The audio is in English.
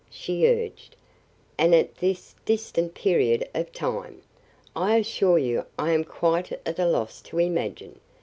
she urged, "and at this distant period of time?" "I assure you I am quite at a loss to imagine.